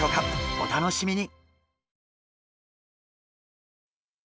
お楽しみに。